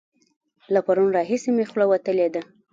له پرونه راهسې مې خوله وتلې ده.